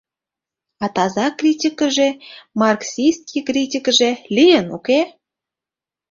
А таза критикыже, маркситский критикыже, лийын, уке?